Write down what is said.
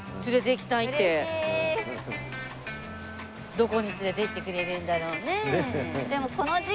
どこに連れていってくれるんだろうね？